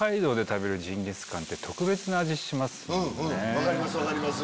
分かります分かります。